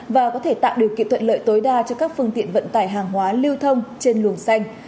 và có thể tạo điều kiện thuận lợi tối đa cho các phương tiện vận tải hàng hóa lưu thông trên luồng xanh